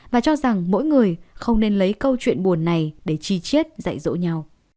và cho rằng mỗi người không nên lấy câu chuyện buồn này để chi chiết dạy dỗ nhau